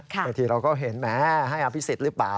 บางทีเราก็เห็นแหมให้อภิษฎหรือเปล่า